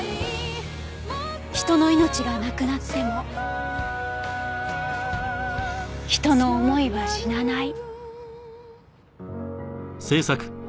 人の命がなくなっても人の思いは死なない。